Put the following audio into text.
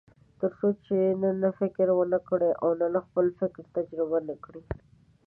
تر څو چې نن فکر ونه کړئ او نن خپل فکر تجربه نه کړئ.